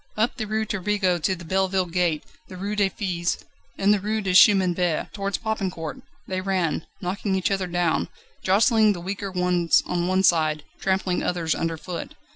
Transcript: Up the Rue Turbigo to the Belleville gate, the Rue des Filles, and the Rue du Chemin Vert, towards Popincourt, they ran, knocking each other down, jostling the weaker ones on one side, trampling others underfoot.